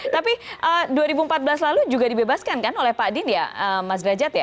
tapi dua ribu empat belas lalu juga dibebaskan kan oleh pak din ya mas derajat ya